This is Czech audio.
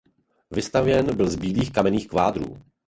Vystavěn byl z bílých kamenných kvádrů.